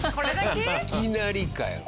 いきなりかよ。